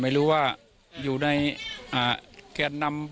แล้วอันนี้ก็เปิดแล้ว